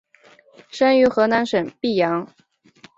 生于河南省泌阳。